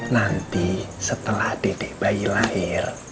nanti setelah dedik bayi lahir